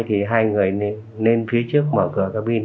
thì hai người nên phía trước mở cửa cabin